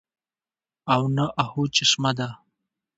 او نه اۤهو چشمه ده